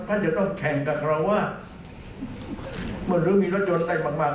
ถ้าเดี๋ยวต้องแข่งกับคอรัญว่ามันนึงมีรถยนต์ไกลมากมาก